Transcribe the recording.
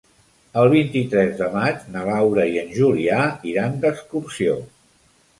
El vint-i-tres de maig na Laura i en Julià iran d'excursió.